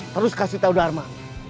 terus kasih tau dharma